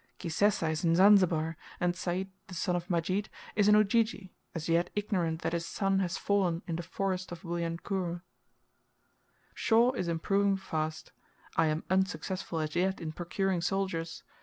Kisesa is in Zanzibar, and Sayd, the son of Majid, is in Ujiji, as yet ignorant that his son has fallen in the forest of Wilyankuru. Shaw is improving fast. I am unsuccessful as yet in procuring soldiers.